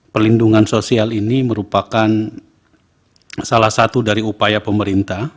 perlindungan sosial ini merupakan salah satu dari upaya pemerintah